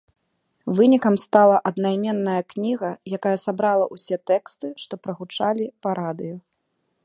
Вынікам стала аднайменная кніга, якая сабрала ўсе тэксты, што прагучалі па радыё.